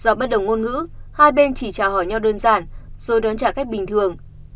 do bất đồng ngôn ngữ hai bên chỉ trả hỏi nhau đơn giản rồi đón trả khách bình thường